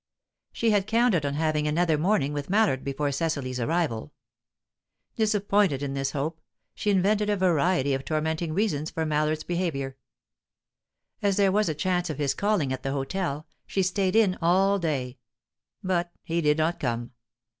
She had counted on having another morning with Mallard before Cecily's arrival. Disappointed in this hope, she invented a variety of tormenting reasons for Mallard's behaviour. As there was a chance of his calling at the hotel, she stayed in all day. But he did not come.